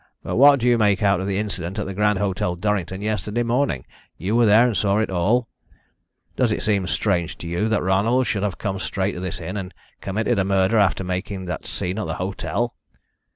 But what do you make out of the incident at the Grand Hotel, Durrington, yesterday morning? You were there, and saw it all. Does it seem strange to you that Ronald should have come straight to this inn and committed a murder after making that scene at the hotel?